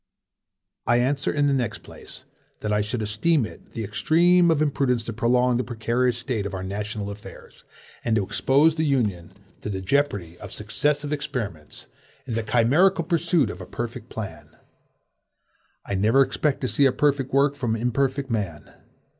I answer in the next place, that I should esteem it the extreme of imprudence to prolong the precarious state of our national affairs, and to expose the Union to the jeopardy of successive experiments, in the chimerical pursuit of a perfect plan. I never expect to see a perfect work from imperfect man.